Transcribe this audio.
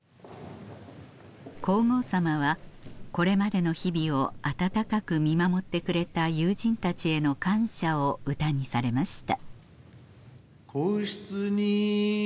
皇后さまはこれまでの日々を温かく見守ってくれた友人たちへの感謝を歌にされました